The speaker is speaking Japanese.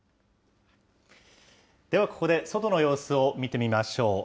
ではここで外の様子を見てみましょう。